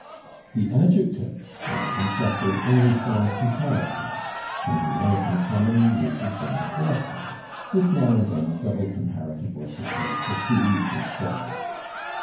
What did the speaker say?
The adjectives are inflected only for comparison, and the [Pg230] American commonly uses them correctly, with now and then a double comparative or superlative to ease his soul.